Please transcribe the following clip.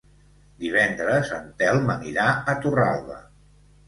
Divendres en Telm anirà a Torralba.